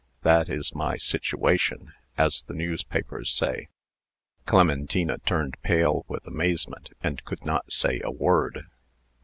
That is my 'situation,' as the newspapers say." Clementina turned pale with amazement, and could not say a word.